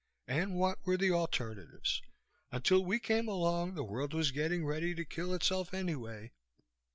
And what were the alternatives? Until we came along the world was getting ready to kill itself anyway."